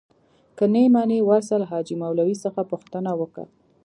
که نې منې ورسه له حاجي مولوي څخه پوښتنه وکه.